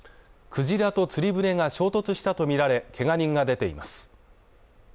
クジラと釣り船が衝突したとみられ、けが人が出ています。